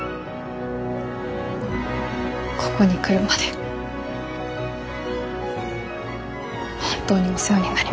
ここに来るまで本当にお世話になりました。